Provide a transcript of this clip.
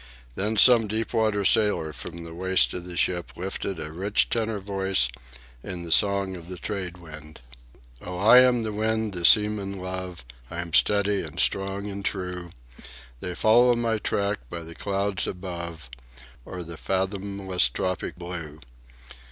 Then some deep water sailor, from the waist of the ship, lifted a rich tenor voice in the "Song of the Trade Wind": "Oh, I am the wind the seamen love— I am steady, and strong, and true; They follow my track by the clouds above, O'er the fathomless tropic blue.